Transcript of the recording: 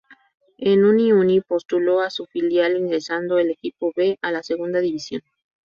El uní-uní postuló a su filial, ingresando el equipo "B" a la Segunda División.